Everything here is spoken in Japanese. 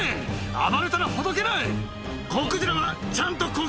暴れたらほどけない！